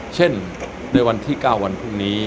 เช่นในวันที่๙วันพรุ่งนี้